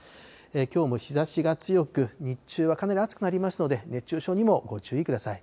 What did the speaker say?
きょうも日ざしが強く、日中はかなり暑くなりますので、熱中症にもご注意ください。